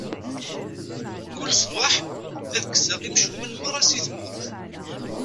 Mkul ṣṣbeḥ, ad kkseɣ imcumen merra si tmurt.